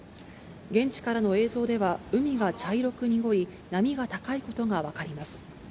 現地からの映像では、海が茶色く濁り、波が高いことが分かります。